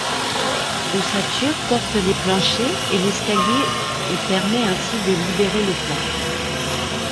L'ossature porte les planchers et l'escalier et permet ainsi de libérer le plan.